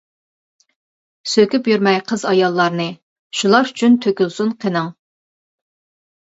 سۆكۈپ يۈرمەي قىز-ئاياللارنى، شۇلار ئۈچۈن تۆكۈلسۇن قىنىڭ.